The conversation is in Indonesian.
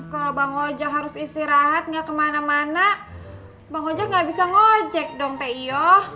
kalau bang ojak harus istirahat gak kemana mana bang ojak gak bisa ngejek dong teh iyo